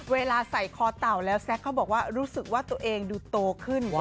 เวลาใส่คอเต่าแล้วแซ็กเขาบอกว่ารู้สึกว่าตัวเองดูโตขึ้น